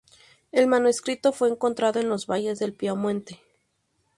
El manuscrito fue encontrado en los valles del Piamonte.